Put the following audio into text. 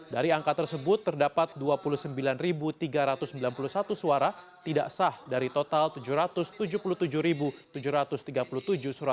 dari angka tersebut terdapat dua puluh sembilan tiga ratus sembilan puluh satu suara tidak sah dari total tujuh ratus tujuh puluh tujuh tujuh ratus tiga puluh tujuh suara